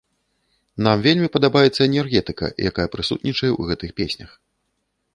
Нам вельмі падабаецца энергетыка, якая прысутнічае ў гэтых песнях.